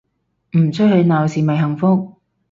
唔出去鬧事咪幸福